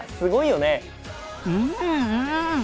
うんうん！